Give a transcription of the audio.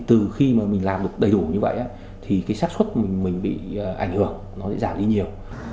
từ khi mình làm đầy đủ như vậy thì sát xuất mình bị ảnh hưởng nó sẽ giảm đi nhiều